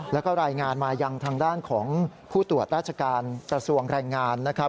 แล้วก็รายงานมายังทางด้านของผู้ตรวจราชการกระทรวงแรงงานนะครับ